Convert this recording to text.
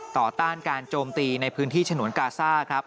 ต้านการโจมตีในพื้นที่ฉนวนกาซ่าครับ